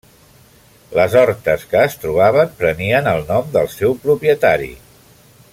Les hortes que es trobaven prenien el nom del seu propietari.